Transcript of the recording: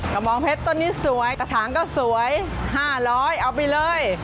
กระบองเพชรต้นนี้สวยกระถางก็สวย๕๐๐เอาไปเลย